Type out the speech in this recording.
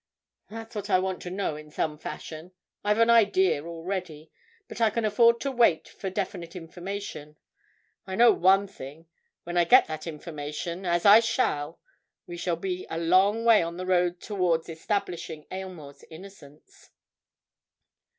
"That's what I want to know in some fashion. I've an idea, already. But I can afford to wait for definite information. I know one thing—when I get that information—as I shall—we shall be a long way on the road towards establishing Aylmore's innocence."